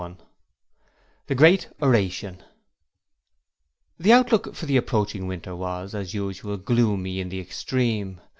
Chapter 45 The Great Oration The outlook for the approaching winter was as usual gloomy in the extreme.